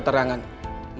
pada saat itu